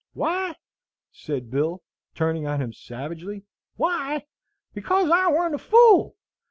"Why?" said Bill, turning on him savagely, "why? because I warn't a fool.